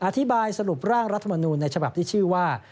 อธิบายสรุปร่างรัฐมนูลในฉบับที่ชื่อว่า